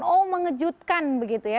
oh mengejutkan begitu ya